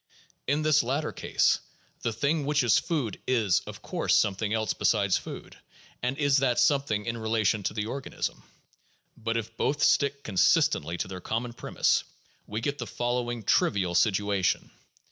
In this latter case, the thing which is food is, of course, something else besides food, and is that something in relation to the organism. But if both stick consistently to their common premise, we get the following trivial situation.